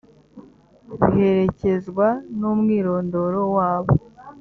biherekezwa n umwirondoro wabo